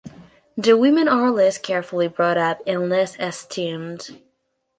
The women are less carefully brought up and less esteemed.